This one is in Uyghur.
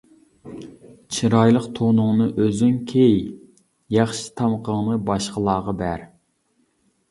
چىرايلىق تونۇڭنى ئۆزۈڭ كىي، ياخشى تامىقىڭنى باشقىلارغا بەر.